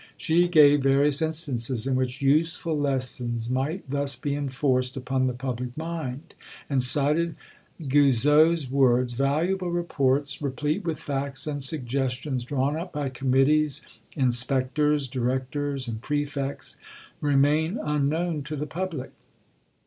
She gave various instances in which useful lessons might thus be enforced upon the public mind, and cited Guizot's words: "Valuable reports, replete with facts and suggestions drawn up by committees, inspectors, directors, and prefects, remain unknown to the public.